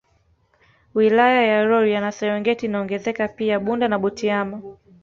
Wilaya ya Rolya na Serengeti inaongezeka pia Bunda na Butiama